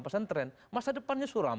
pesantren masa depannya suram